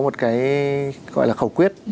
một cái gọi là khẩu quyết